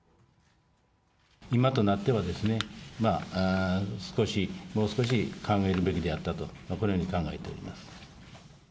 今となってはですね、少し、もう少し考えるべきであったと、このように考えております。